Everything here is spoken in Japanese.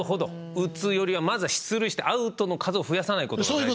打つよりはまずは出塁してアウトの数を増やさないことが大事。